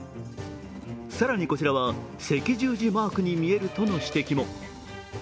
更に、こちらは赤十字マークに見えるとの指摘も。